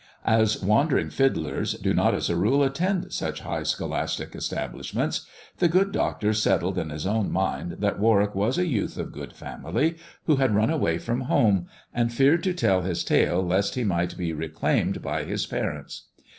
As wandering fiddlers do not as a rule attend such high scholastic establishments, the good doctor settled in his own mind that Warwick was a youth of good family who had run away from home, and feared to tell his tale lest he might be reclaimed by his parents.